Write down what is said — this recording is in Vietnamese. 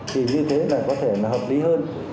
thì như thế này có thể là hợp lý hơn